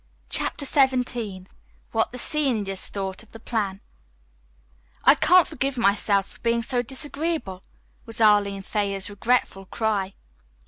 CHAPTER XVII WHAT THE SENIORS THOUGHT OF THE PLAN "I can't forgive myself for being so disagreeable," was Arline Thayer's regretful cry.